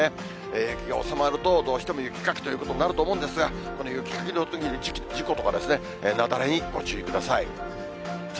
雪が収まると、どうしても雪かきということになると思うんですが、この雪かきのときに事故とかですね、雪崩にご注意ください。